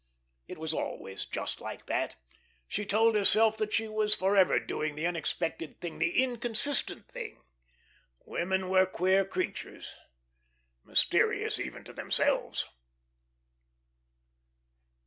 It was always just like that. She told herself that she was forever doing the unexpected thing, the inconsistent thing. Women were queer creatures, mysterious even to themselves.